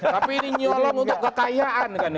tapi ini nyolon untuk kekayaan kan